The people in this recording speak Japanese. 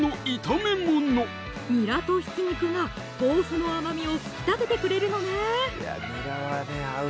ニラとひき肉が豆腐の甘みを引き立ててくれるのね